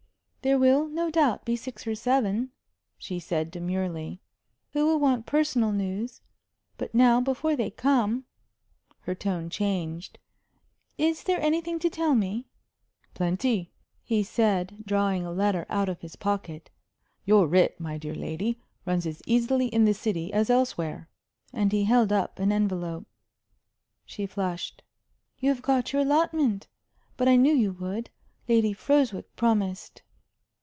"There will, no doubt, be six or seven," she said, demurely, "who will want personal news. But now, before they come" her tone changed "is there anything to tell me?" "Plenty," he said, drawing a letter out of his pocket. "Your writ, my dear lady, runs as easily in the City as elsewhere." And he held up an envelope. She flushed. "You have got your allotment? But I knew you would. Lady Froswick promised."